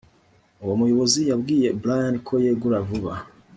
uwo muyobozi yabwiye brian ko yegura vuba